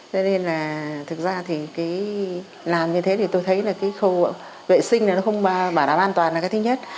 cho nên là thực ra thì làm như thế thì tôi thấy là cái khu vệ sinh nó không bảo đảm an toàn là cái thứ nhất